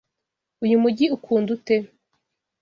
Uyu mujyi ukunda ute?